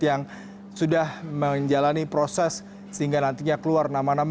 yang sudah menjalani proses sehingga nantinya keluar nama nama